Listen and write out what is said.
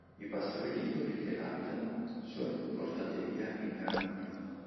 I pastori liguri che l'abitano sono portati via in gran numero.